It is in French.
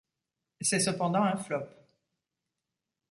C'est cependant un flop.